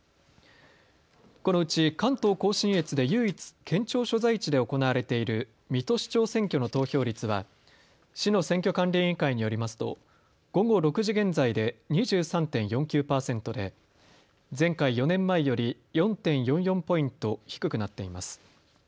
このうち関東甲信越で唯一県庁所在地で行われている水戸市長選挙の投票率は市の選挙管理委員会によりますと午後６時現在で２３．４９％で前回４年前より４．４４ポイント低くなっています。